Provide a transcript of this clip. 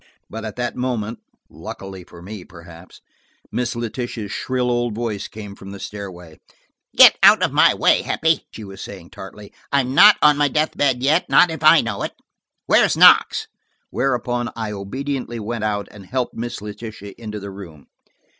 But at that moment, luckily for me, perhaps, Miss Letitia's shrill old voice came from the stairway. "Get out of my way, Heppie," she was saying tartly. "I'm not on my death bed yet, not if I know it. Where's Knox?" Whereupon I obediently went out and helped Miss Letitia into the room.